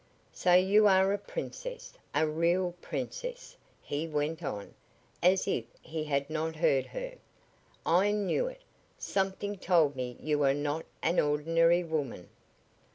"So you are a princess, a real princess," he went on, as if he had not heard her. "I knew it. Something told me you were not an ordinary woman."